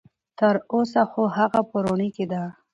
تر اوسه خو هغه په وړوني کې ده.